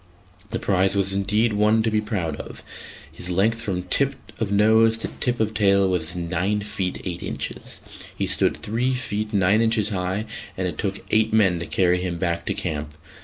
The prize was indeed one to be proud of; his length from tip of nose to tip of tail was nine feet eight inches, he stood three feet nine inches high, and it took eight men to carry him back to camp.